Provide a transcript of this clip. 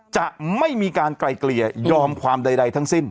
จะไม่มีการไกลเกลี่ยยอมความใดทั้งสิ้น